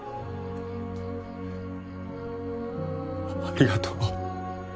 ありがとう。